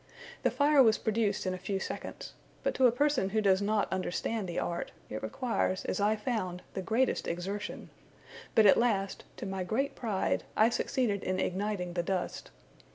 The fire was produced in a few seconds: but to a person who does not understand the art, it requires, as I found, the greatest exertion; but at last, to my great pride, I succeeded in igniting the dust.